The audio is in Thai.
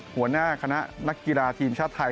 หัวหน้าคณะนักกีฬาทีมชาติไทย